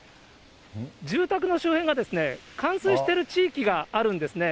住宅の周辺が冠水している地域があるんですね。